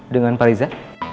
dengan pak riza